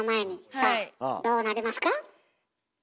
さあどうなりますか？